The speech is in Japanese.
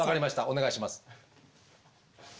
お願いします。